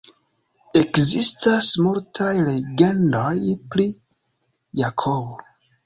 Ekzistas multaj legendoj pri Jakobo.